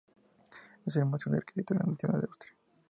Es el museo de arquitectura nacional de Austria.